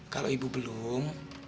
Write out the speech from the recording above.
kalau ibu belum